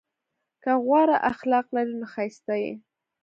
که غوره اخلاق لرې نو ښایسته یې!